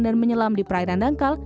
dan menyelam di perairan dangkal